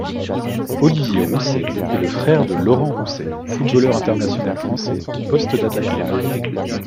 Olivier Roussey est le frère de Laurent Roussey, footballeur international français au pose d'attaquant.